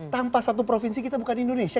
tanpa satu provinsi kita bukan indonesia